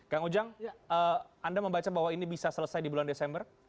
kang ujang anda membaca bahwa ini bisa selesai di bulan desember